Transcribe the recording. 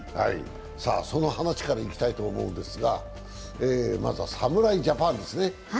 その話からいきたいと思うんですが、まずは侍ジャパンですね。